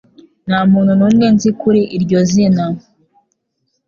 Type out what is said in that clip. Nta muntu n'umwe nzi kuri iryo zina